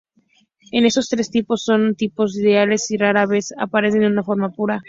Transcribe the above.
Estos tres tipos son tipos ideales y rara vez aparecen en su forma pura.